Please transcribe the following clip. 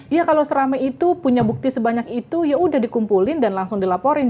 iya kalau seramai itu punya bukti sebanyak itu yaudah dikumpulin dan langsung dilaporin